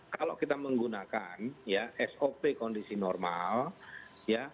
kalau kita menggunakan ya sop kondisi normal ya